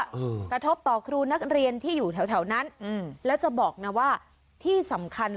กรุ้งไปทั่วตะทบต่อครูนักเรียนที่อยู่แถวนั้นและจะบอกนะว่าที่สำคัญ